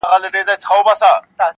پر خپل قول درېدل خوی د مېړه دی-